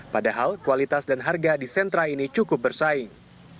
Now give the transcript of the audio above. padahal kualitas dan harga di sentra ini cukup bersaing